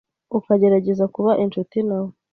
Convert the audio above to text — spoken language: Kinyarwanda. Ukagerageza kuba inshuti nawe